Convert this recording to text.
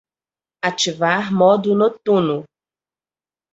Ativar modo notuno.